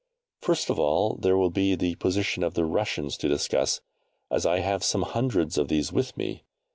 First of all there will be the position of the Russians to discuss, as I have some hundreds of these with me.